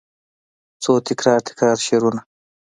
څو تکرار، تکرار شعرونه